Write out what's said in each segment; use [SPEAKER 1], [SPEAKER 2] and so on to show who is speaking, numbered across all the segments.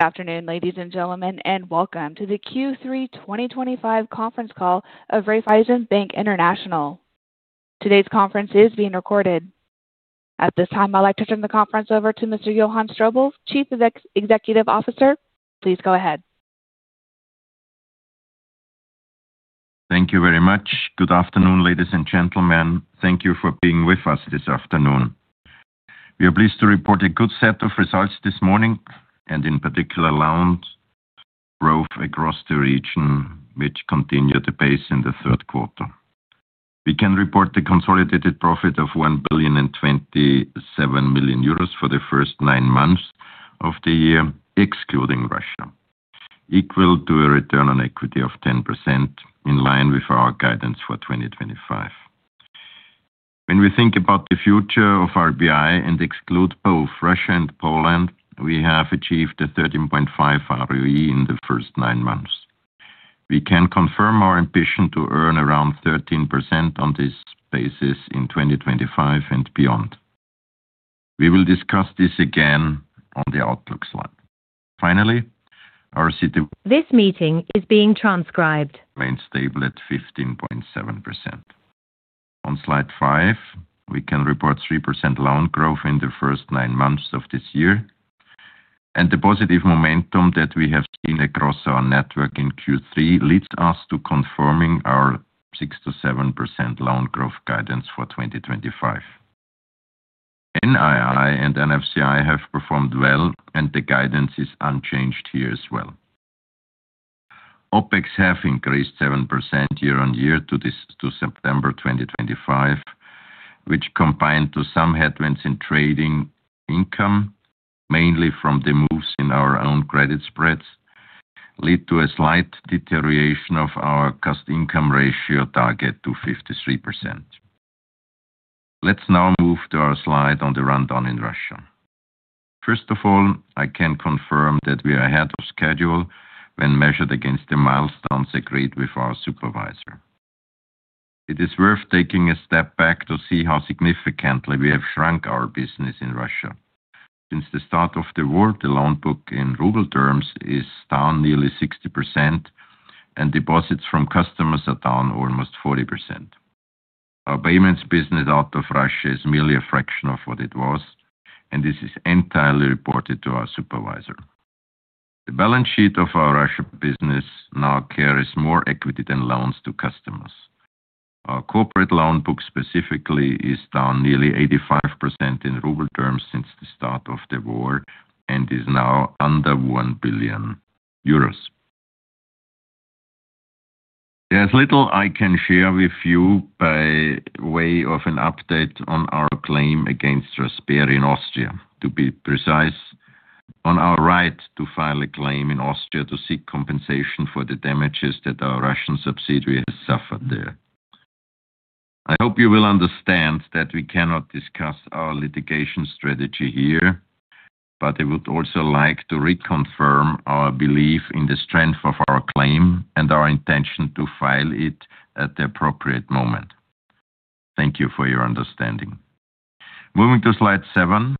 [SPEAKER 1] Good afternoon, ladies and gentlemen, and welcome to the Q3 2025 conference call of Raiffeisen Bank International. Today's conference is being recorded. At this time, I'd like to turn the conference over to Mr. Johann Strobl, Chief Executive Officer. Please go ahead.
[SPEAKER 2] Thank you very much. Good afternoon, ladies and gentlemen. Thank you for being with us this afternoon. We are pleased to report a good set of results this morning, and in particular, loans growth across the region which continued the pace in the third quarter. We can report the consolidated profit of 1,027 billion for the first nine months of the year excluding Russia, equal to a return on equity of 10% in line with our guidance for 2025. When we think about the future of RBI and exclude both Russia and Poland, we have achieved a 13.5% ROE in the first nine months. We can confirm our ambition to earn around 13% on this basis in 2025 and beyond. We will discuss this again on the outlook slide. Finally. This meeting is being transcribed. Remains stable at 15.7%. On slide five, we can report 3% loan growth in the first nine months of this year. The positive momentum that we have seen across our network in Q3 leads us to confirming our 6%-7% loan growth guidance for 2025. NII and NFCI have performed well and the guidance is unchanged here as well. OpEx have increased 7% year on year to September 2025, which, combined with some headwinds in trading income, mainly from the moves in our own credit spreads, lead to a slight deterioration of our cost-income ratio target to 53%. Let's now move to our slide on the rundown in Russia. First of all, I can confirm that we are ahead of schedule when measured against the milestones agreed with the supervisor. It is worth taking a step back to see how significantly we have shrunk our business in Russia since the start of the war. The loan book in ruble terms is down nearly 60% and deposits from customers are down almost 40%. Our payments business out of Russia is merely a fraction of what it was and this is entirely reported to our supervisor. The balance sheet of our Russia business now carries more equity than loans to customers. Our corporate loan book specifically is down nearly 85% in ruble terms since the start of the war and is now under 1 billion euros. There is little I can share with you by way of an update on our claim against STRABAG in Austria, to be precise, on our right to file a claim in Austria to seek compensation for the damages that our Russian subsidiary has suffered there. I hope you will understand that we cannot discuss our litigation strategy here, but I would also like to reconfirm our belief in the strength of our claim and our intention to file it at the appropriate moment. Thank you for your understanding. Moving to slide seven,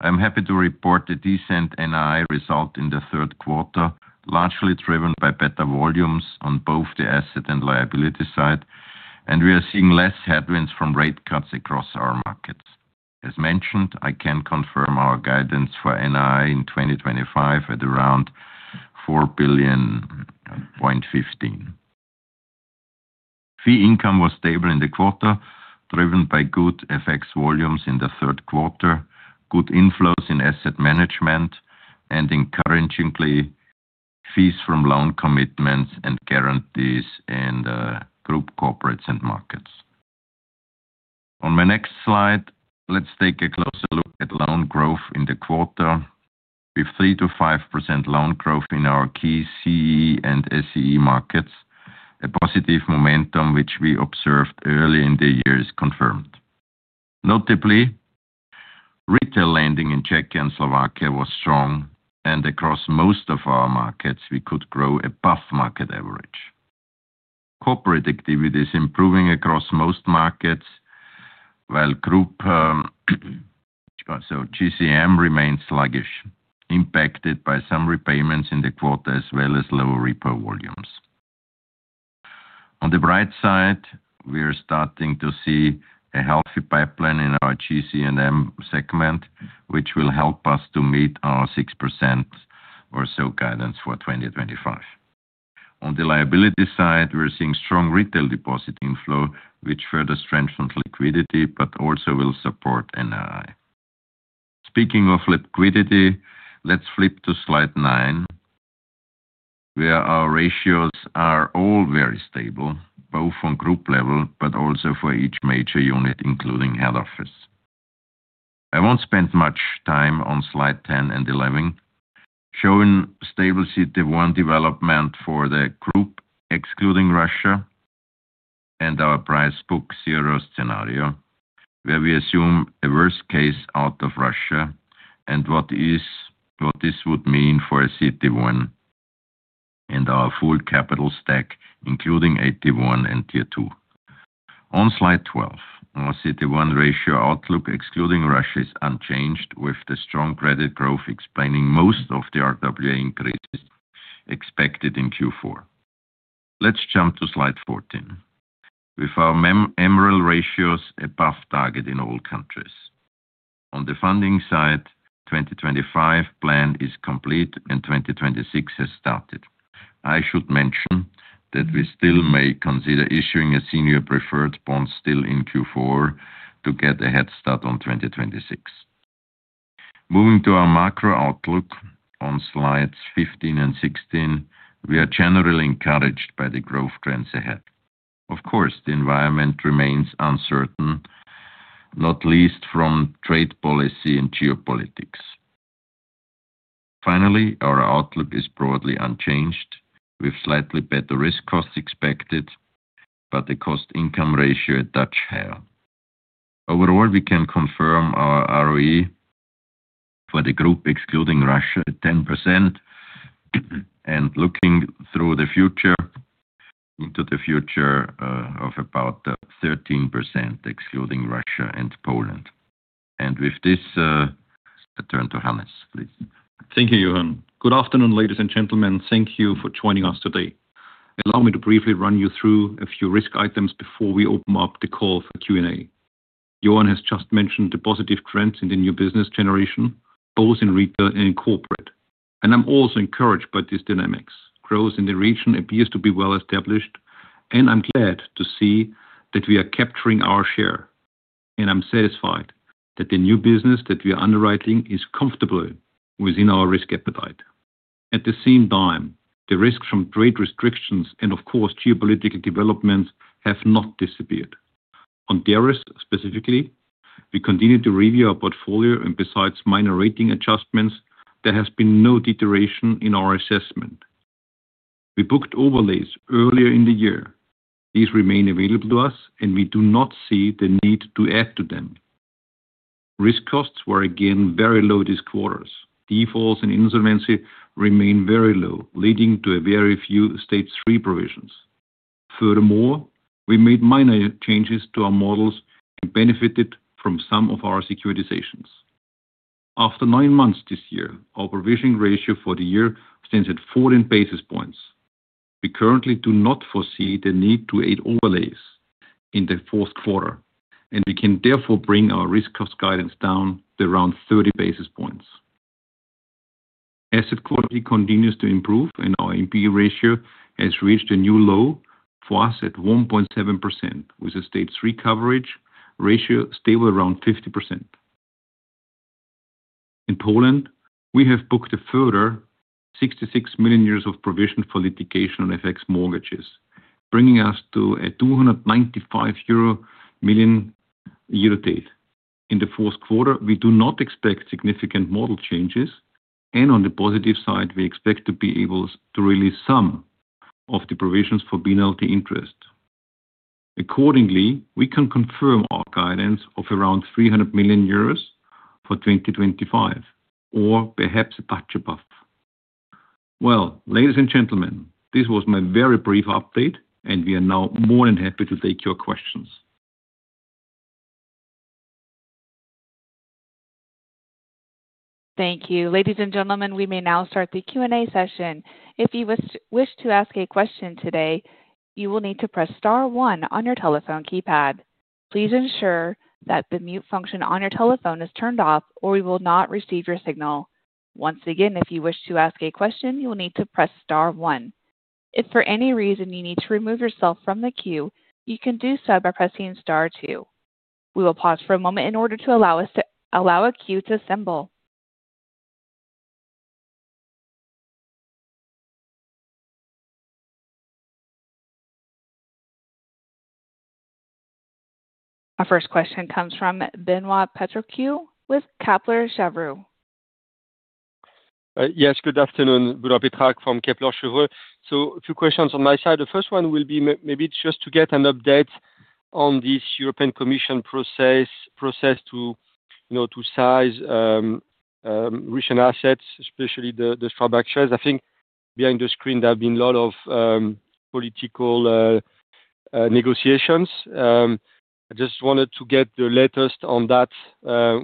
[SPEAKER 2] I'm happy to report the decent NII result in the third quarter, largely driven by better volumes on both the asset and liability side, and we are seeing less headwinds from rate cuts across our markets. As mentioned, I can confirm our guidance for NII in 2025 at around 4.15 billion. Fee income was stable in the quarter, driven by good FX volumes in the third quarter, good inflows in asset management, and encouragingly, fees from loan commitments and guarantees in group corporates and markets. On my next slide, let's take a closer look at loan growth in the quarter. With 3%-5% loan growth in our key CEE and SCE markets, a positive momentum which we observed early in the year is confirmed. Notably, retail lending in Czechia and Slovakia was strong and across most of our markets we could grow above market average. Corporate activity is improving across most markets while Group SO GCM remains sluggish, impacted by some repayments in the quarter as well as lower repo volumes. On the bright side, we are starting to see a healthy pipeline in our GC&M segment which will help us to meet our 6% or so guidance for 2025. On the liability side, we're seeing strong retail deposit inflow which further strengthens liquidity but also will support NII. Speaking of liquidity, let's flip to slide nine where our ratios are all very stable both on group level but also for each major unit including head office. I won't spend much time on slide 10 and 11 showing stable CET1 development for the group excluding Russia and our price book zero scenario where we assume a worst case out of Russia and what this would mean for a CET1 and our full capital stack including AT1 and Tier 2. On slide 12, our CET1 ratio outlook excluding Russia is unchanged with the strong credit growth explaining most of the RWA increases expected in Q4, let's jump to slide 14 with our [Emerald] ratios above target in all countries. On the funding side, 2025 plan is complete and 2026 has started. I should mention that we still may consider issuing a senior preferred bond still in Q4 to get a head start on 2026. Moving to our macro outlook on slides 15 and 16, we are generally encouraged by the growth trends ahead. Of course, the environment remains uncertain not least from trade policy and geopolitics. Finally, our outlook is broadly unchanged with slightly better risk costs expected. The cost-income ratio does help. Overall, we can confirm our ROE for the group excluding Russia at 10% and looking into the future of about 13% excluding Russia and Poland. With this I turn to Hannes, please.
[SPEAKER 3] Thank you, Johann. Good afternoon, ladies and gentlemen. Thank you for joining us today. Allow me to briefly run you through a few risk items before we open up the call for Q and A. Johann has just mentioned the positive trends in the new business generation, both in retail and corporate, and I'm also encouraged by these dynamics. Growth in the region appears to be well established, and I'm glad to see that we are capturing our share. I'm satisfied that the new business that we are underwriting is comfortable within our risk appetite. At the same time, the risks from trade restrictions and of course geopolitical developments have not disappeared on derivatives. Specifically, we continue to review our portfolio, and besides minor rating adjustments, there has been no deterioration in our assessment. We booked overlays earlier in the year. These remain available to us, and we do not see the need to add to them. Risk costs were again very low these quarters. Defaults in insolvency remain very low, leading to very few stage three provisions. Furthermore, we made minor changes to our models and benefited from some of our securitizations after nine months this year. Our provisioning ratio for the year stands at 14 basis points. We currently do not foresee the need. To aid overlays in the fourth quarter, we can therefore bring our risk cost guidance down to around 30 basis points. Asset quality continues to improve, and our NPE ratio has reached a new low for us at 1.7%, with a Stage 3 coverage ratio stable around 50%. In Poland, we have booked a further 66 million of provision for litigation on FX mortgages, bringing us to 295 million euro year to date in the fourth quarter. We do not expect significant model changes, and on the positive side, we expect to be able to release some of the provisions for penalty interest. Accordingly, we can confirm our guidance of around 300 million euros for 2025 or perhaps a touch above. Ladies and gentlemen, this was my very brief update, and we are now more than happy to take your questions.
[SPEAKER 1] Thank you, ladies and gentlemen. We may now start the Q and A session. If you wish to ask a question today, you will need to press star one on your telephone keypad. Please ensure that the mute function on your telephone is turned off, or we will not receive your signal. Once again, if you wish to ask a question, you will need to press star one. If for any reason you need to remove yourself from the queue, you can do so by pressing star two. We will pause for a moment in order to allow a queue to assemble. Our first question comes from Benoît Pétrarque with Kepler Cheuvreux.
[SPEAKER 4] Yes, good afternoon. Benoît Pétrarque from Kepler Cheuvreux. A few questions on my side. The first one will be maybe just to get an update on this European Commission process to, you know, to seize recent assets, especially the STRABAG shares. I think behind the screen there have been a lot of political negotiations. I just wanted to get the latest on that.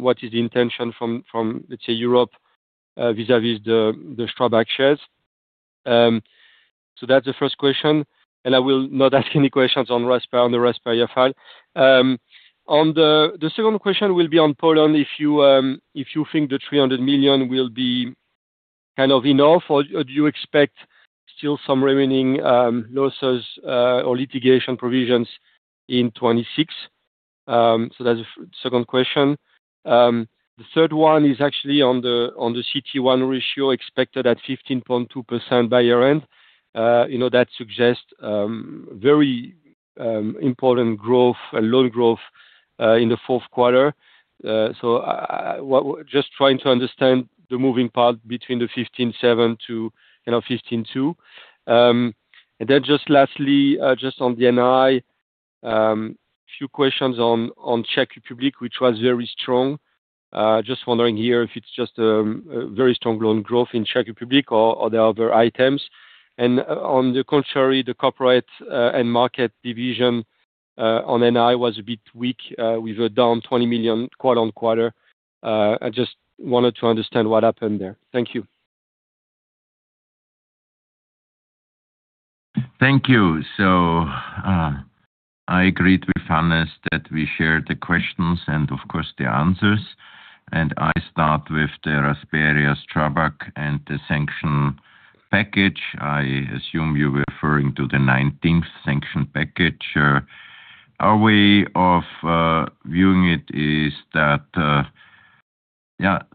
[SPEAKER 4] What is the intention from, let's say, Europe vis-à-vis the STRABAG shares? That's the first question and I will not ask any questions on the Rasperia file. The second question will be on Poland, if you think the 300 million will be kind of enough or do you expect still some remaining losses or litigation provisions in 2026. That's the second question. The third one is actually on the CET1 ratio expected at 15.2% by year end. You know, that suggests very important growth and loan growth in the fourth quarter. Just trying to understand the moving part between the 15.7% and 15.2%. Then just lastly, just on the NII, a few questions on Czech, which was very strong. Just wondering here if it's just a very strong loan growth in Czech or other items. On the contrary, the corporate and markets division on NII was a bit weak. We were down 20 million quarter on quarter. I just wanted to understand what happened there. Thank you.
[SPEAKER 2] Thank you. I agreed with Hannes that we shared the questions and of course the answers. I start with the Rasperia STRABAG and the sanction package. I assume you were referring to the 19th sanction package. Our way of viewing it is that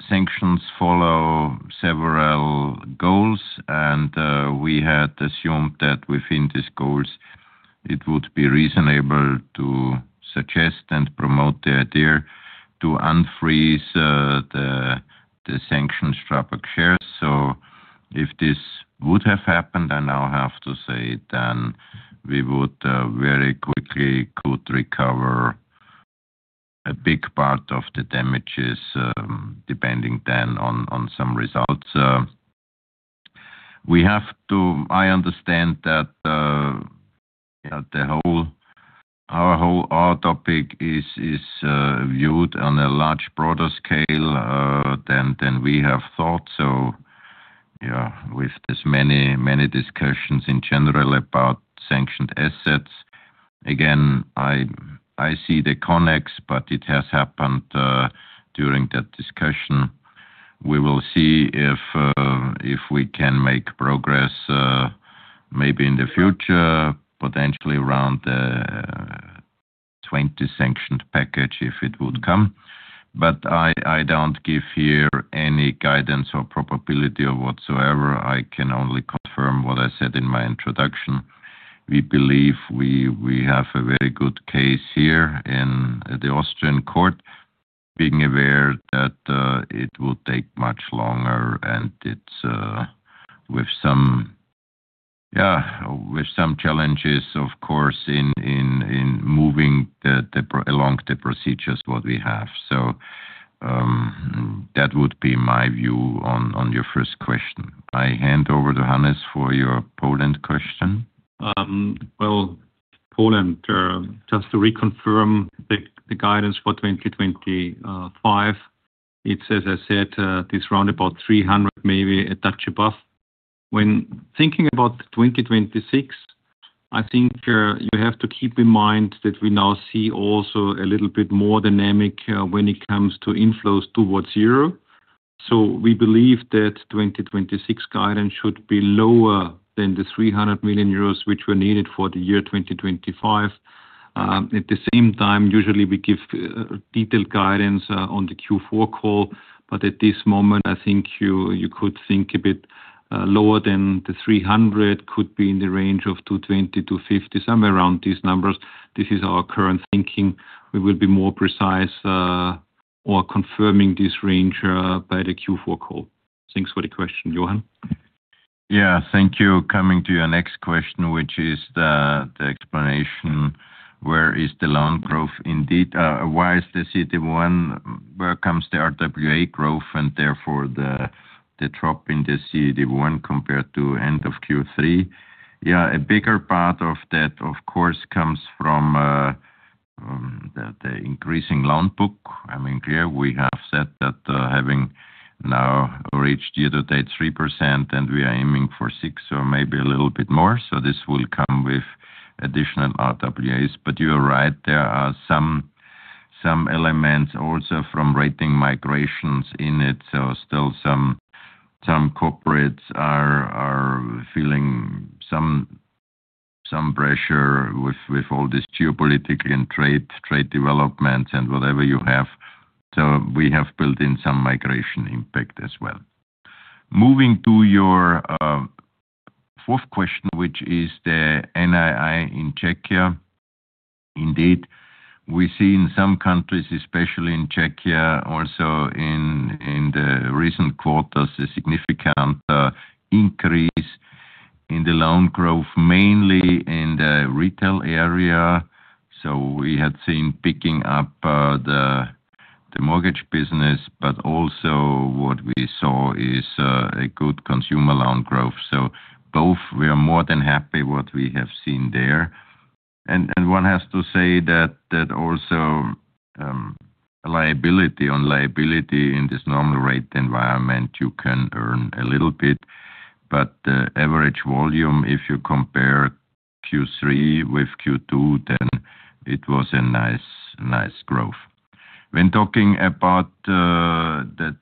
[SPEAKER 2] sanctions follow several goals and we had assumed that within these goals it would be reasonable to suggest and promote the idea to unfreeze the sanctions STRABAG shares. If this would have happened, I now have to say we would very quickly recover a big part of the damages depending then on some results. I understand that our whole R topic is viewed on a larger, broader scale than we have thought. With this, many discussions in general about sanctioned assets, again I see the context, but it has happened during that discussion. We will see if we can make progress maybe in the future, potentially around the 20th sanction package, if it would come. I don't give here any guidance or probability or whatsoever. I can only confirm what I said in my introduction. We believe we have a very good case here in the Austrian court, being aware that it will take much longer and it's with some challenges of course in moving along the procedures we have. That would be my view on your first question. I hand over to Hannes for your Poland question.
[SPEAKER 3] Poland, just to reconfirm the guidance for 2025. It's as I said, this roundabout 300 million, maybe a touch above. When thinking about 2026, you have to keep in mind that we now see also a little bit more dynamic when it comes to inflows towards zero. We believe that 2026 guidance should be lower than the 300 million euros which were needed for the year 2025. At the same time, usually we give detailed guidance on the Q4 call, but at this moment I think you could think a bit lower than the 300 million, could be in the range of 220 million-250 million, somewhere around these numbers. This is our current thinking. We will be more precise or confirming this range by the Q4 call. Thanks for the question, Johann.
[SPEAKER 2] Yeah, thank you. Coming to your next question, which is the explanation where is the loan growth? Indeed, why is the CET1? Where comes the RWA growth and therefore the drop in the CET1 compared to end of Q3? Yeah, a bigger part of that of course comes from the increasing loan book. I mean, clear, we have said that having now reached year to date 3% and we are aiming for 6% or maybe a little bit more. This will come with additional RWAs. You are right, there are some elements also from rating migrations in it. Still, some corporates are feeling some pressure with all this geopolitical and trade developments and whatever you have. We have built in some migration impact as well. Moving to your fourth question, which is the NII in Czechia. Indeed, we see in some countries, especially in Czechia, also in the recent quarters a significant increase in the loan growth, mainly in the retail area. We had seen picking up the mortgage business, but also what we saw is a good consumer loan growth. Both we are more than happy what we have seen there. One has to say that also on liability in this normal rate environment you can earn a little bit, but the average volume, if you compare Q3 with Q2, then it was a nice, nice growth. When talking about the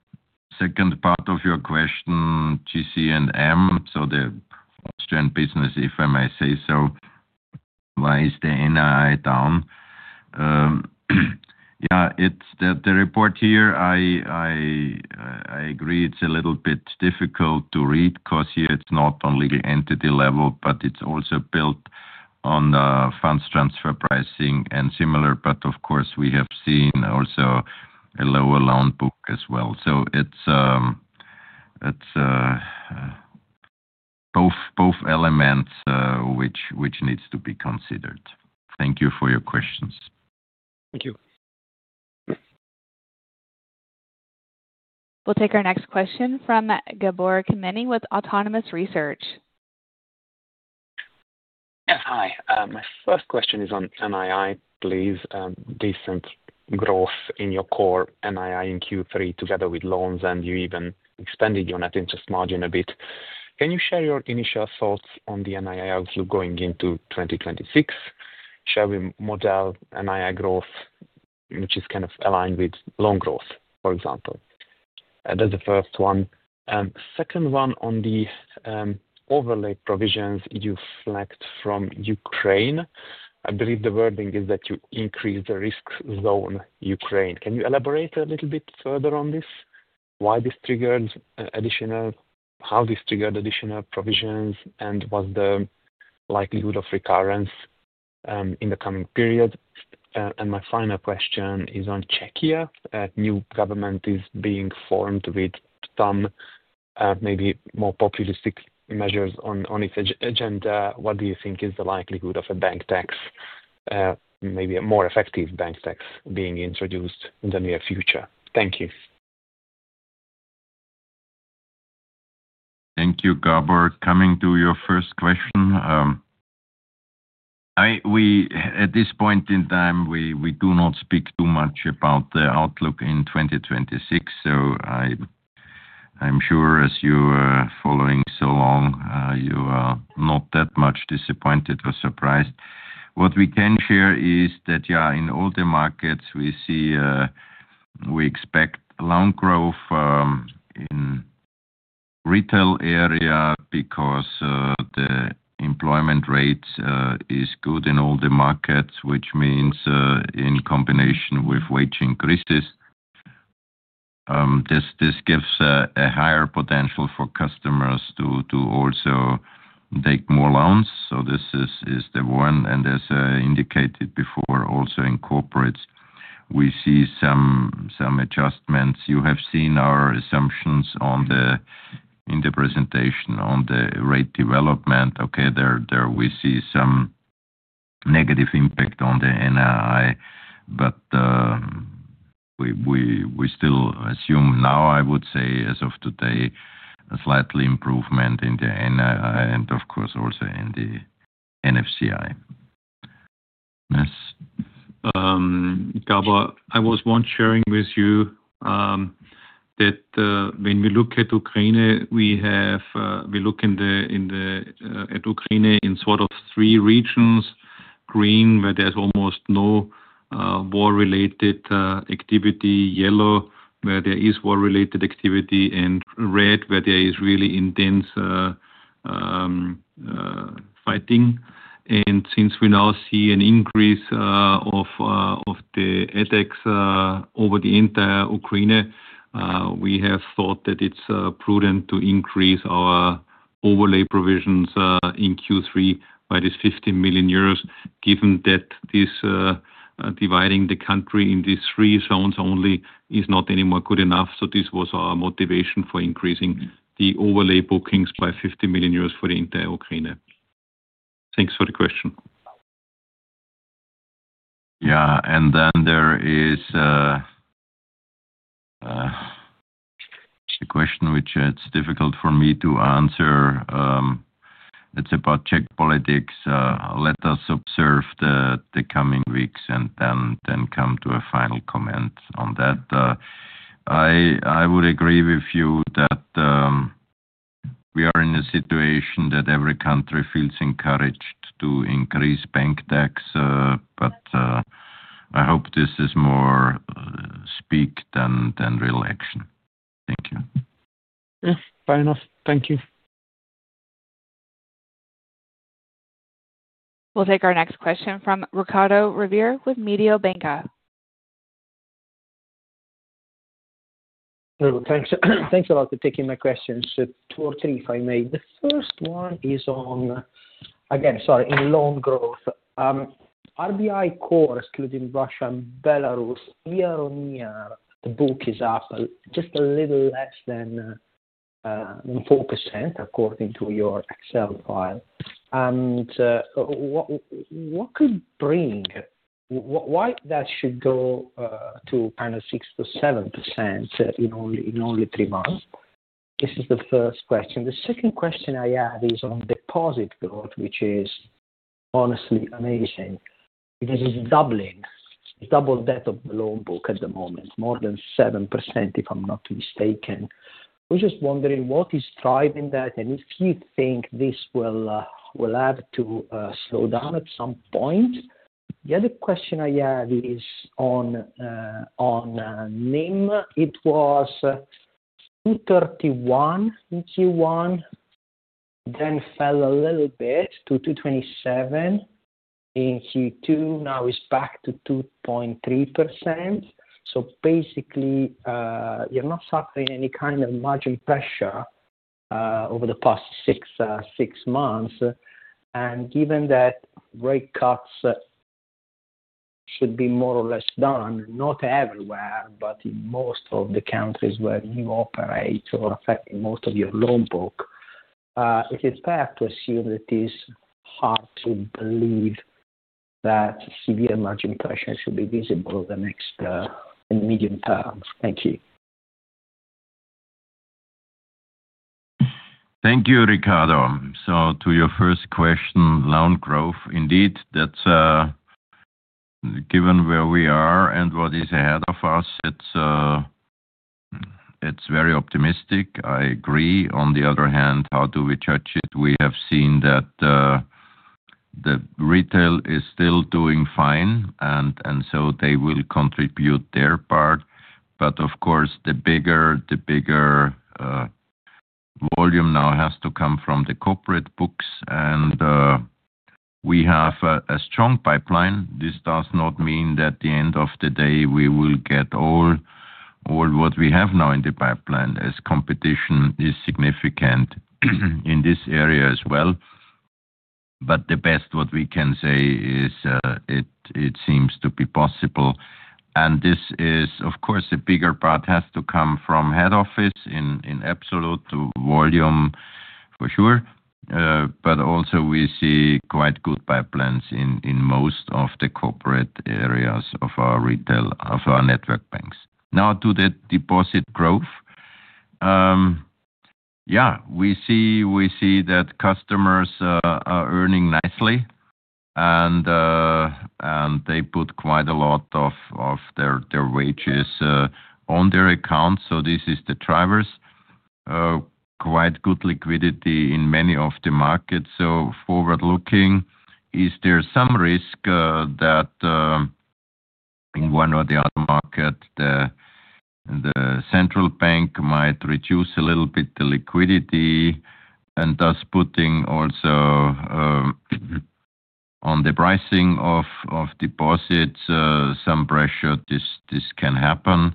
[SPEAKER 2] second part of your question, GC&M. The Austrian business, if I may say so, why is the NII down? It's that the report here, I agree, it's a little bit difficult to read. Here it's not only the entity, but it's also built on funds, transfer pricing and similar. Of course, we have seen also a lower loan book as well. It's both elements which need to be considered. Thank you for your questions.
[SPEAKER 4] Thank you.
[SPEAKER 1] We'll take our next question from Gabor Kemeny with Autonomous Research.
[SPEAKER 5] Hi, my first question is on NII, please. Decent growth in your core NII in Q3 together with loans, and you even extended your net interest margin a bit. Can you share your initial thoughts on the NII outlook going into 2026? Shall we model NII growth which is kind of aligned with loan growth, for example? That's the first one. Second one on the overlay provisions you flagged from Ukraine. I believe the wording is that you increase the risk zone. Ukraine. Can you elaborate a little bit further on this? Why this triggered additional, how this triggered additional provisions, and what is the likelihood of recurrence in the coming period. My final question is on Czechia. New government is being formed with some maybe more populistic measures on its agenda. What do you think is the likelihood of a bank tax, maybe a more effective bank tax being introduced in the near future? Thank you.
[SPEAKER 2] Thank you. Gabor, coming to your first question, at this point in time we do not speak too much about the outlook in 2026. I'm sure as you following so long, you are not that much disappointed or surprised. What we can share is that in all the markets we see we expect loan growth in retail area because the employment rate is good in all the markets, which means in combination with wage increases this gives a higher potential for customers to also take more loans. This is the one and as indicated before, also in corporates we see some adjustments. You have seen our assumptions in the presentation on the rate development. There we see some negative impact on the NII, but we still assume now I would say as of today a slightly improvement in the NII and of course also in the NFCI.
[SPEAKER 3] Gabor, I was once sharing with you that when we look at Ukraine, we look at Ukraine in sort of three regions: green, where there's almost no war-related activity; yellow, where there is war-related activity; and red, where there is really intense. Fighting. Since we now see an increase of the attacks over the entire Ukraine, we have thought that it's prudent to increase our overlay provisions in Q3 by 15 million euros. Given that dividing the country in these three zones only is not anymore good enough, this was our motivation for increasing the overlay bookings by 50 million euros for the entire Ukraine. Thanks for the question.
[SPEAKER 2] Yeah. There is the question which it's difficult for me to answer. It's about Czech politics. Let us observe the coming weeks and then come to a final comment on that. I would agree with you that we are in a situation that every country feels encouraged to increase bank tax. I hope this is more speak than re-election. Thank you.
[SPEAKER 5] Fair enough. Thank you.
[SPEAKER 1] We'll take our next question from Riccardo Rovere with Mediobanca.
[SPEAKER 6] Thanks. Thanks a lot for taking my questions. Two or three, if I may. The first one is on loan growth, RBI core, excluding Russia and Belarus, year on year, the book is up just a little less than 4% according to your Excel file. What could bring, why that should go to kind of 6%-7% in only three months. This is the first question. The second question I have is on deposit growth, which is honestly amazing because it's double that of the loan book at the moment, more than 7% if I'm not mistaken. We're just wondering what is driving that and if you think this will have to slow down at some point. The other question I have is on NIM. It was 2.31% in Q1, then fell a little bit to 2.27% in Q2. Now it's back to 2.3%. Basically you're not suffering any kind of margin pressure over the past six months. Given that rate cuts should be more or less done, not everywhere, but in most of the countries where you operate or affect most of your loan books, is it fair to assume that it is hard to believe that severe margin pressure should be visible in the medium term. Thank you.
[SPEAKER 2] Thank you, Riccardo. To your first question, loan growth indeed. That's given where we are and what is ahead of us. It's very optimistic. I agree. On the other hand, how do we judge it? We have seen that the retail is still doing fine and so they will contribute their part. Of course, the bigger volume now has to come from the corporate books and we have a strong pipeline. This does not mean that at the end of the day we will get all what we have now in the pipeline. Competition is significant in this area as well. The best what we can say is it seems to be possible and this is, of course, a bigger part has to come from head office in absolute volume for sure. We also see quite good pipelines in most of the corporate areas of our retail, of our network banks. Now to the deposit growth. We see that customers are earning nicely and they put quite a lot of their wages on their account. This is the driver, quite good liquidity in many of the markets. Forward looking, is there some risk that in one or the other market the central bank might reduce a little bit the liquidity and thus putting also on the pricing of deposits some pressure? This can happen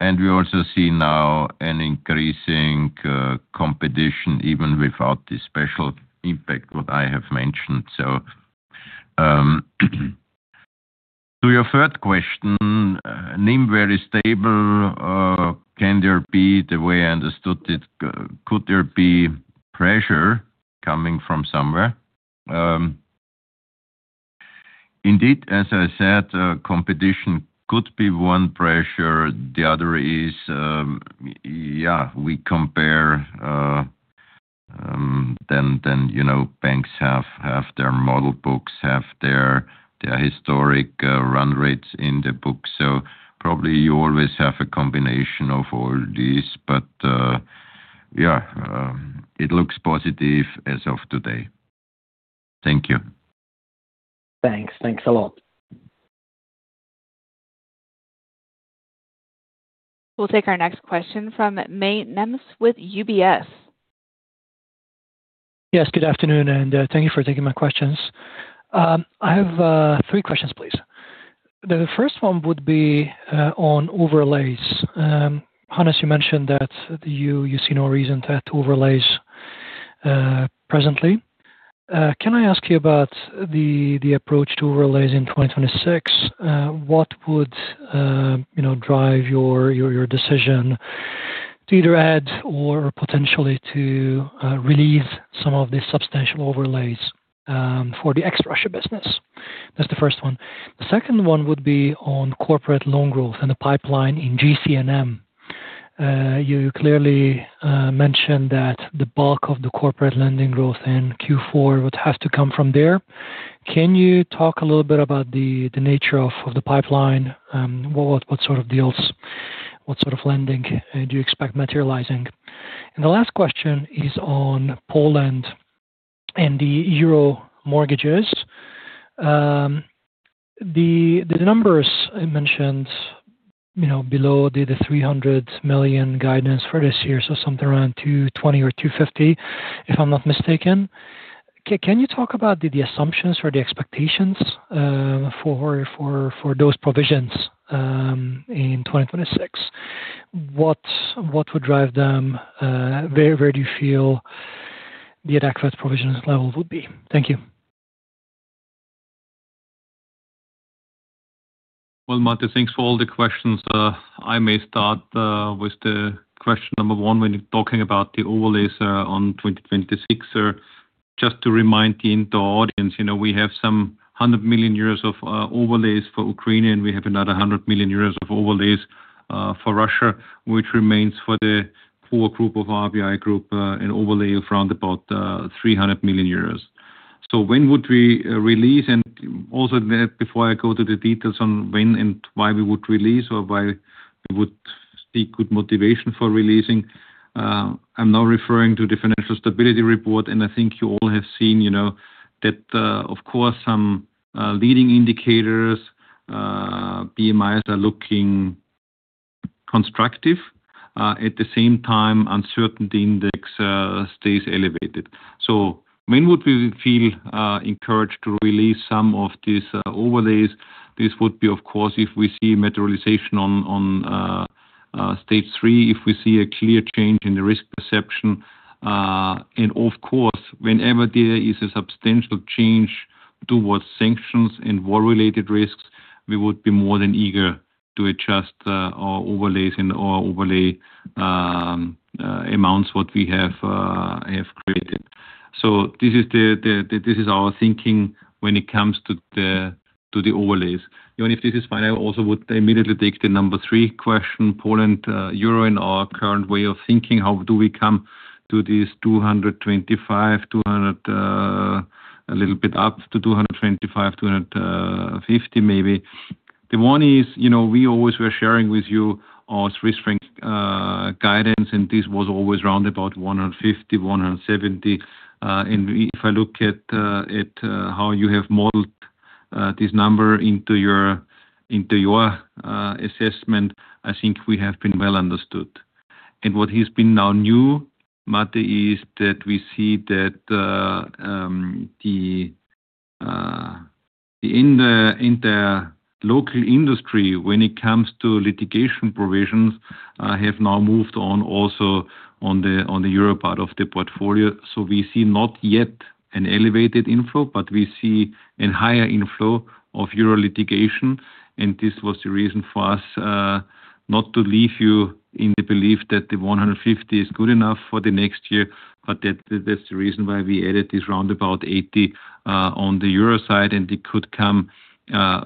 [SPEAKER 2] and we also see now an increasing competition even without the special impact what I have mentioned. To your third question, NIM, very stable. Can there be, the way I understood it, could there be pressure coming from somewhere? Indeed, as I said, competition could be one pressure. The other is, we compare, then you know banks have their model books, have their historic run rates in the book. Probably you always have a combination of all these. It looks positive as of today. Thank you.
[SPEAKER 6] Thanks. Thanks a lot.
[SPEAKER 1] We'll take our next question from Mate Nemes with UBS.
[SPEAKER 7] Yes, good afternoon and thank you for taking my questions. I have three questions please. The first one would be on overlays. Hannes, you mentioned that you see no reason to add to overlays presently. Can I ask you about the approach to overlays in 2026? What would drive you to either add or potentially to release some of these substantial overlays for the ex Russia business? That's the first one. The second one would be on corporate loan growth and the pipeline in GCNM. You clearly mentioned that the bulk of the corporate lending growth in Q4 has to come from there. Can you talk a little bit about the nature of the pipeline? What sort of deals, what sort of lending do you expect materializing? The last question is on Poland and the euro mortgages. The numbers mentioned below the 300 million guidance for this year, so something around 220 million or 250 million if I'm not mistaken. Can you talk about the assumptions or the expectations for those provisions in 2026? What would drive them? Where do you feel the adequate provisions level would be? Thank you.
[SPEAKER 3] Mate, thanks for all the questions. I may start with question number one when you're talking about the overlays on 2026. Just to remind the audience, we have some 100 million euros of overlays for Ukrainian. We have another 100 million euros of overlays for Russia, which remains for the core group of RBI group, an overlay of around 300 million euros. When would we release? Also, before I go to the details on when and why we would release or why we would seek good motivation for releasing, I'm now referring to the Financial Stability Report and I think you all have seen that of course some leading indicators, PMIs, are looking constructive. At the same time, the uncertainty index stays elevated. When would we feel encouraged to release some of these overlays? This would be, of course, if we see materialization on stage three, if we see a clear change in the risk perception, and whenever there is a substantial change towards sanctions and war-related risks, we would be more than eager to adjust our overlays and our overlay amounts we have created. This is our thinking when it comes to the overlays. Johann, if this is fine, I also would immediately take the number three question, Poland euro. In our current way of thinking, how do we come to these 225 million, 200 million. A little bit up to 225 million, 250 million maybe. The one is, you know, we always were sharing with you our Swiss franc guidance and this was always round about 150 million, 170 million. If I look at how you have modeled this number into your assessment, I think we have been well understood. What has been now new, Mate, is that we see that in the local industry when it comes to litigation, provisions have now moved on also on the euro part of the portfolio. We see not yet an elevated inflow, but we see a higher inflow of euro litigation. This was the reason for us not to leave you in the belief that the 150 million is good enough for the next year. That's the reason why we added this roundabout 80 million on the euro side. It could come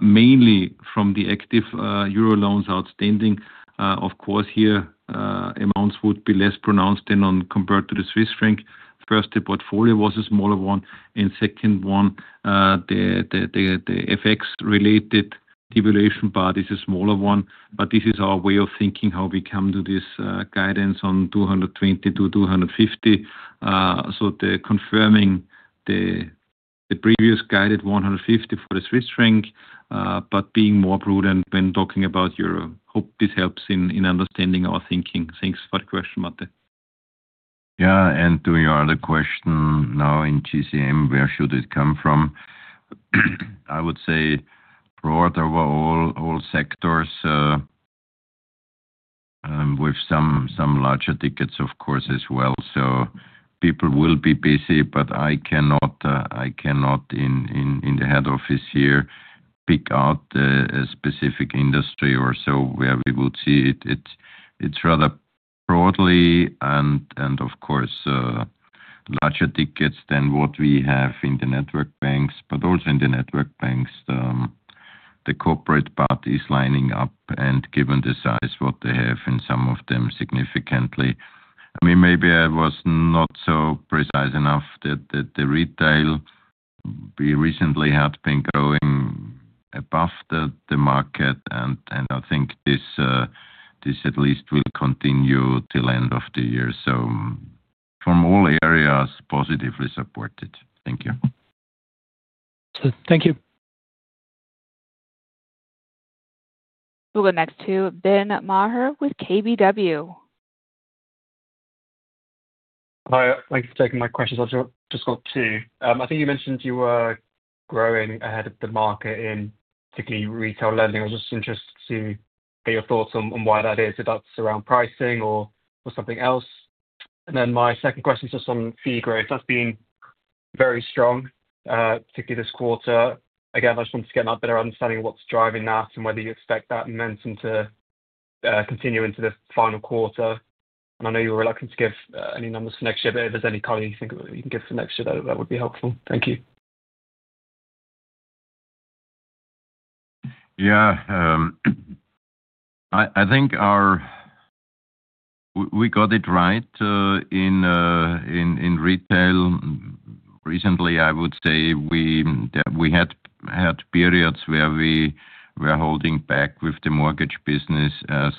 [SPEAKER 3] mainly from the active euro loans outstanding. Of course, here amounts would be less pronounced than compared to the Swiss franc. First, the portfolio was a smaller one and second, the FX related is a smaller one. This is our way of thinking how we come to this guidance on 220 million-250 million. Confirming the previous guided 150 million for the Swiss franc, but being more prudent when talking about euro. Hope this helps in understanding our thinking. Thanks for the question, Mate.
[SPEAKER 2] Yeah, and to your other question now in GCM, where should it come from? I would say broad over all sectors with some larger tickets of course as well. People will be busy. I cannot in the head office here pick out a specific industry or so where we would see it's rather broadly, and of course, larger tickets than what we have in the network banks. Also in the network banks, the corporate part is lining up and given the size what they have in some of them, significantly, I mean, maybe I was not so precise enough that the retail we recently had been going above the market. I think this at least will continue till end of the year. From all areas, positively supported. Thank you.
[SPEAKER 7] Thank you.
[SPEAKER 1] We'll go next to Ben Maher with KBW.
[SPEAKER 8] Hi, thanks for taking my questions. I just got two. I think you mentioned you were growing ahead of the market, in particular retail lending. I was just interested to get your thoughts on why that is, if that's around pricing or something else. My second question is just on fee growth that's been very strong, particularly this quarter. I just want to get a better understanding of what's driving that and whether you expect that momentum to continue into the final quarter. I know you were reluctant to give any numbers for next year, but if there's any color you think you can get for next year, that would be helpful. Thank you.
[SPEAKER 2] Yeah, I think we got it right in retail recently. I would say we had periods where we were holding back with the mortgage business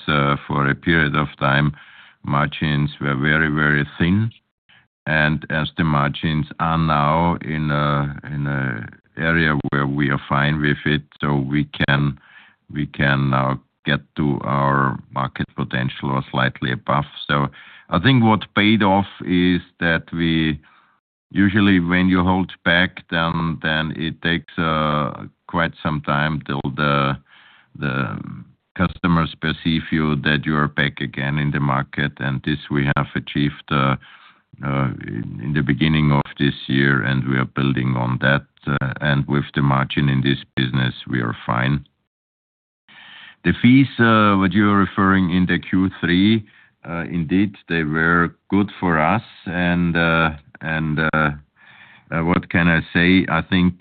[SPEAKER 2] for a period of time. Margins were very, very thin. As the margins are now in an area where we are fine with it, we can get to our market potential or slightly above. I think what paid off is that usually when you hold back, then it takes quite some time till the customers perceive you are back again in the market. This we have achieved in the beginning of this year and we are building on that. With the margin in this business, we are fine. The fees, what you are referring in Q3, indeed, they were good for us. What can I say, I think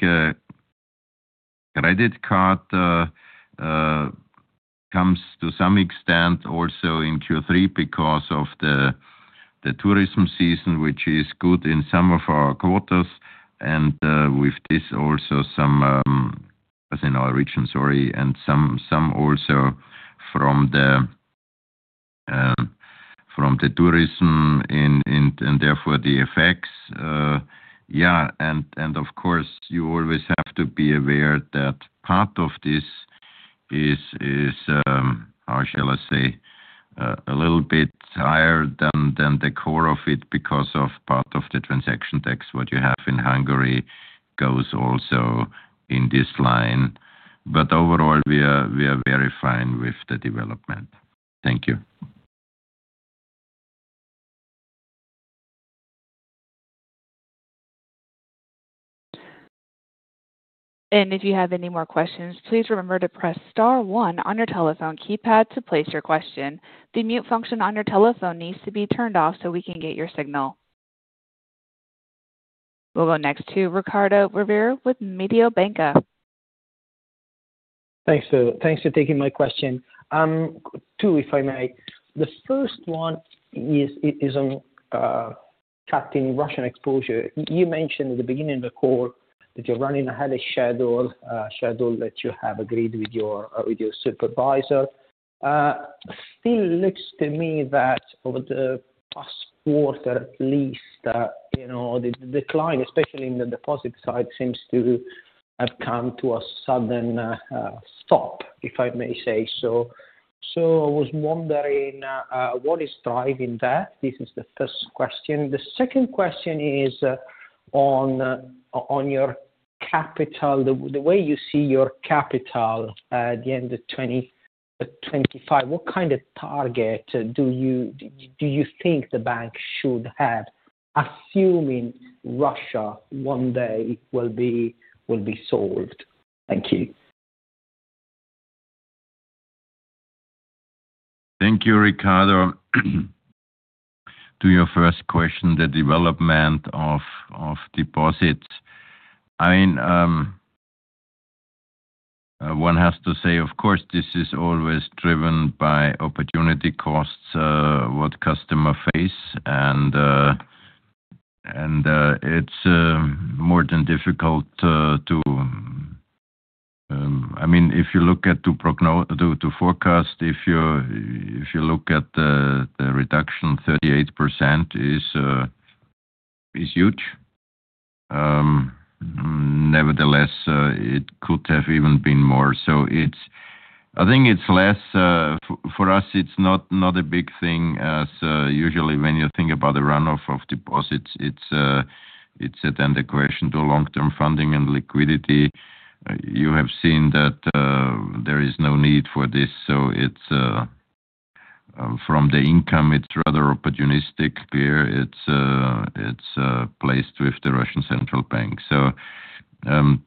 [SPEAKER 2] credit card comes to some extent also in Q3 because of the tourism season, which is good in some of our quarters and with this also some within our region. Sorry. Some also from the tourism and therefore the FX. Of course, you always have to be aware that part of this is, how shall I say, a little bit higher than the core of it because part of the transaction tax you have in Hungary goes also in this line. Overall, we are very fine with the development. Thank you.
[SPEAKER 1] If you have any more questions, please remember to press star one on your telephone keypad to place your question. The mute function on your telephone needs to be turned off so we can get your signal. We'll go next to Riccardo Rovere with Mediobanca.
[SPEAKER 6] Thanks. Thanks for taking my question, two if I may. The first one is on cutting Russian exposure. You mentioned at the beginning of the call that you're running ahead of schedule, schedule that you have agreed with your supervisor. Still, it looks to me that over the past quarter at least, the decline, especially in the deposit side, seems to have come to a sudden stop if I may say so. I was wondering what is driving that. This is the first question. The second question is on your capital. The way you see your capital at the end of 2020, what kind of target do you think the bank should have assuming Russia one day will be solved? Thank you.
[SPEAKER 2] Thank you, Riccardo. To your first question, the development of deposits, one has to say of course this is always driven by opportunity costs that customers face. It's more than difficult to, if you look at, to forecast. If you look at the reduction, 38% is huge. Nevertheless, it could have even been more, so I think it's less for us. It's not a big thing, as usually when you think about the runoff of deposits, the question is long term funding and liquidity. You have seen that there is no need for this. From the income, it's rather opportunistic here; it's placed with the Russian central bank, so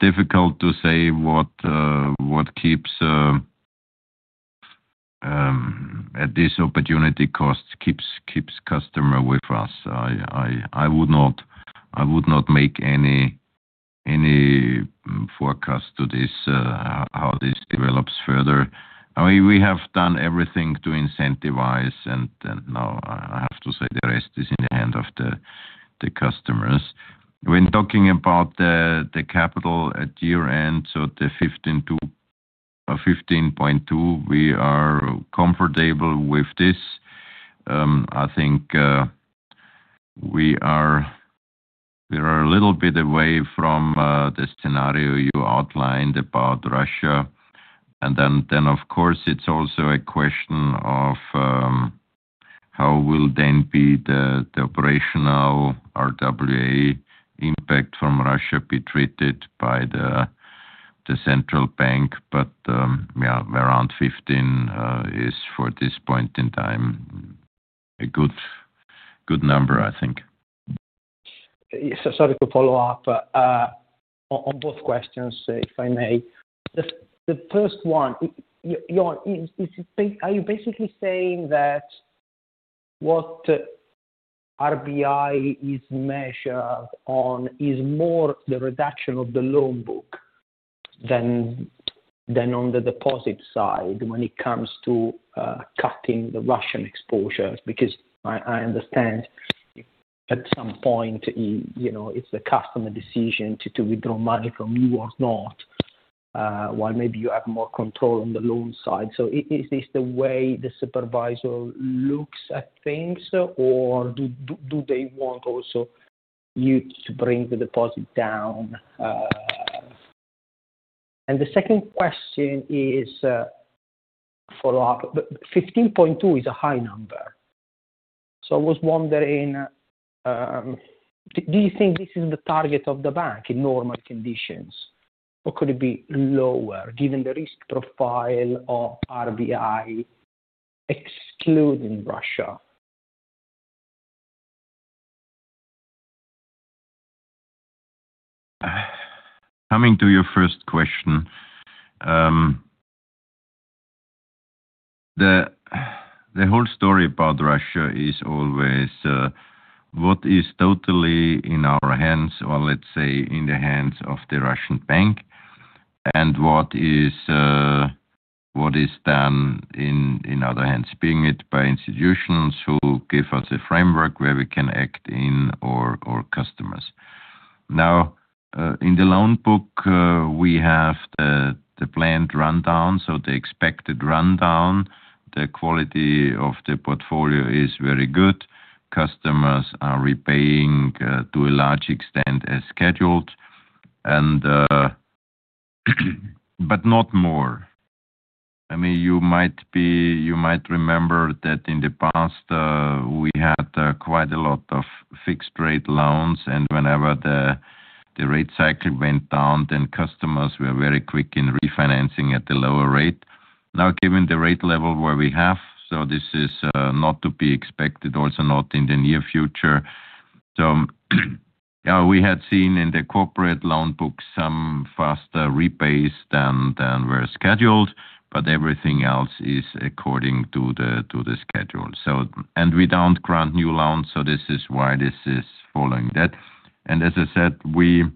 [SPEAKER 2] difficult to say what keeps at this opportunity cost, keeps customers with us. I would not make any forecast to how this develops further. We have done everything to incentivize, and now I have to say the rest is in the hands of the customers. When talking about the capital at year end, the 15%-15.2%, we are comfortable with this. I think we are a little bit away from the scenario you outlined about Russia. It's also a question of how the operational RWA impact from Russia will be treated by the central bank. Around 15% is, for this point in time, a good number, I think.
[SPEAKER 6] Sorry to follow up on both questions if I may. The first one, are you basically saying that what RBI is measured on is more the reduction of the loan book than on the deposit side when it comes to cutting the Russian exposures? I understand at some point, it's the customer decision to withdraw money from you or not while maybe you have more control on the loan side. Is this the way the supervisor looks at the things or do they want also you to bring the deposit down? The second question is follow up. 15.2% is a high number. I was wondering. Do you think? Is this the target of the bank in normal conditions, or could it be lower given the risk profile of RBI excluding Russia?
[SPEAKER 2] Coming to your first question. The whole. Story about Russia is always what is totally in our hands or let's say in the hands of the Russian bank and what is done in other hands, being it by institutions who give us a framework where we can act in our customers. In the loan book we have the planned rundown, so the expected rundown. The quality of the portfolio is very good. Customers are repaying to a large extent as scheduled, but not more. You might remember that in the past we had quite a lot of fixed rate loans and whenever the rate cycle went down, customers were very quick in refinancing at the lower rate. Given the rate level where we have, this is not to be expected, also not in the near future. We had seen in the corporate loan book some faster rebates than were scheduled, but everything else is according to the schedule and we don't grant new loans. This is why this is following that. As I said, we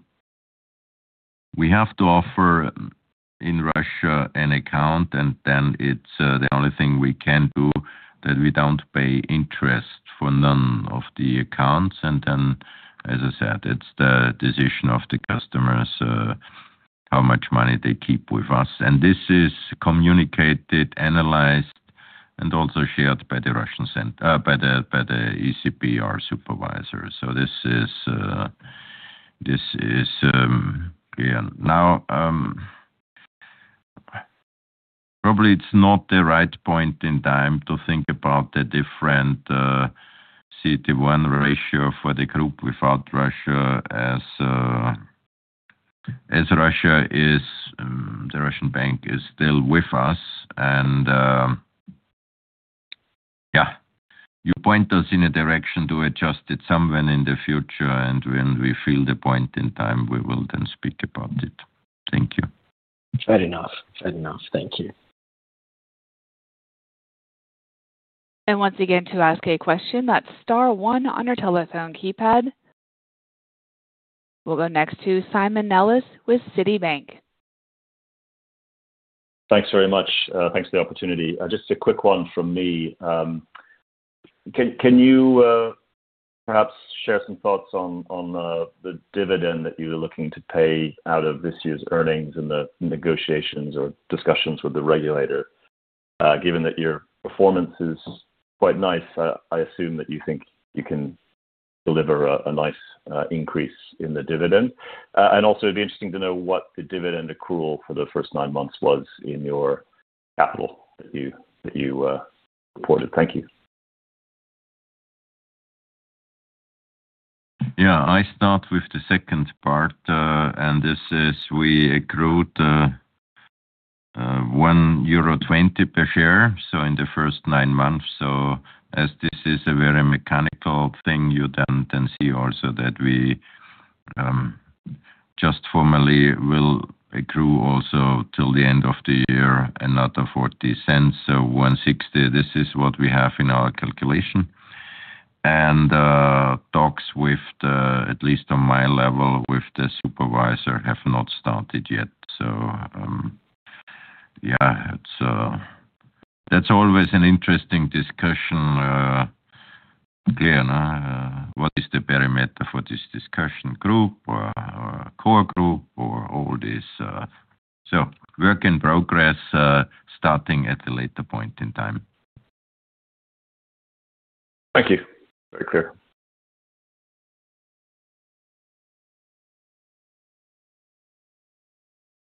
[SPEAKER 2] have to offer in Russia an account and then it's the only thing we can do that we don't pay interest for none of the accounts. As I said, it's the decision of the customers how much money they keep with us. This is communicated, analyzed, and also shared by the Russian center, by the ECPR supervisor. This is now probably not the right point in time to think about the different CET1 ratio for the group without Russia, as Russia is, the Russian bank is still with us. You point us in a direction to adjust it somewhere in the future. When we feel the point in time, we will then speak about it. Thank you.
[SPEAKER 6] Fair enough. Fair enough. Thank you.
[SPEAKER 1] To ask a question, that's star one on your telephone keypad. We'll go next to Simon Nellis with Citibank.
[SPEAKER 9] Thanks very much. Thanks for the opportunity. Just a quick one from me. Can you perhaps share some thoughts on? The dividend that you were looking to pay out of this year's earnings and the negotiations or discussions with the regulator? Given that your performance is quite nice, I assume that you think you can deliver a nice increase in the dividend. It'd be interesting to know. What was the dividend accrual for the first nine months in your capital that you reported? Thank you.
[SPEAKER 2] Yeah, I start with the second part and this is we accrued 1.20 per share in the first nine months. As this is a very mechanical thing, you then see also that we just formally will accrue also till the end of the year another 0.40, so 1.60. This is what we have in our calculation. Talks with, at least on my level with the supervisor, have not started yet. That's always an interesting discussion. Clear. What is the barometer for this discussion group, core group or all this? Work in progress starting at a later point in time.
[SPEAKER 9] Thank you. Very clear.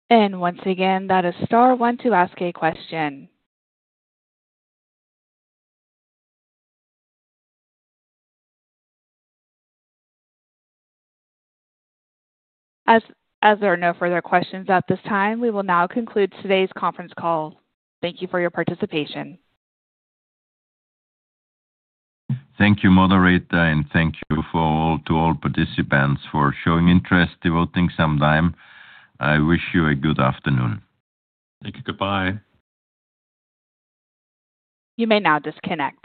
[SPEAKER 1] That is star one to ask a question. As there are no further questions at this time, we will now conclude today's conference call. Thank you for your participation.
[SPEAKER 2] Thank you, moderator. Thank you to all participants for showing interest and devoting some time. I wish you a good afternoon.
[SPEAKER 3] Thank you. Goodbye.
[SPEAKER 1] You may now disconnect.